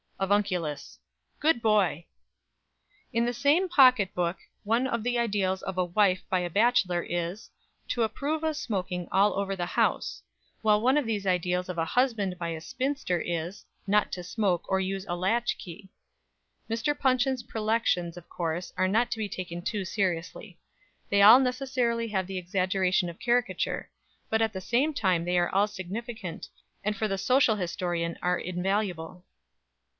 "AVUNCULUS. Good boy!" In the same "Pocket Book" one of the ideals of a wife by a bachelor is "To approve of smoking all over the house"; while one of the ideals of a husband by a spinster is "Not to smoke, or use a latch key." Mr. Punch's prelections, of course, are not to be taken too seriously. They all necessarily have the exaggeration of caricature; but at the same time they are all significant, and for the social historian are invaluable.